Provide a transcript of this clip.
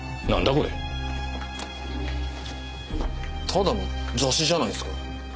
ただの雑誌じゃないですか？